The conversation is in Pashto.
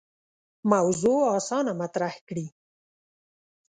موضوع اسانه مطرح کړي.